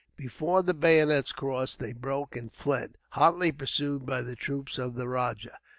Before the bayonets crossed they broke and fled, hotly pursued by the troops of the rajah.